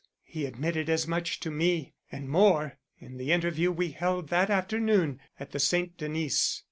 He admitted as much to me, and more, in the interview we held that afternoon at the St. Denis.